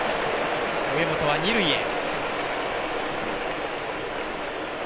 上本は二塁へ。